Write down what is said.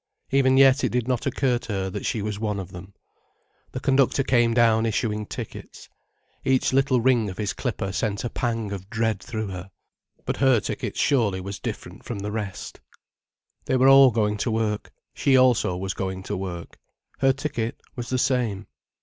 Even yet it did not occur to her that she was one of them. The conductor came down issuing tickets. Each little ring of his clipper sent a pang of dread through her. But her ticket surely was different from the rest. They were all going to work; she also was going to work. Her ticket was the same.